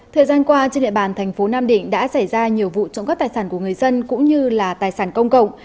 thời gian qua trên địa bàn thành phố nam định đã xảy ra nhiều vụ trộm cắp tài sản của người dân cũng như là tài sản công cộng